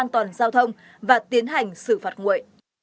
toàn giao thông và tiến hành xử phạt nguội